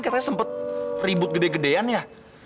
katanya sempet ribut gede gedean ya